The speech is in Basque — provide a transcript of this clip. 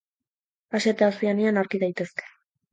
Asia eta Ozeanian aurki daitezke.